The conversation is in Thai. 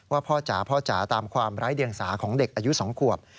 พ่อจ๋าพ่อจ๋าตามความไร้เดียงสาของเด็กอายุ๒ขวบ